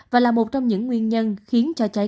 và là một trong những nguyên nhân khiến cho cháy